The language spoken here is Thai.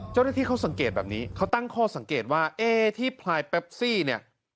เจ้าหน้าที่เขาสังเกตแบบนี้เขาตั้งข้อสังเกตว่าเอ๊ที่พลายแปปซี่เนี่ย